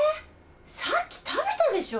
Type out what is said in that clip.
さっき食べたでしょ！